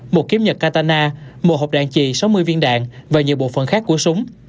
một kiếm nhật katana một hộp đạn trì sáu mươi viên đạn và nhiều bộ phận khác của súng